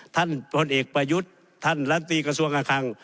พลเอกประยุทธ์ท่านลำตีกระทรวงการคัง